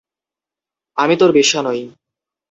আমি তোর বেশ্যা নই।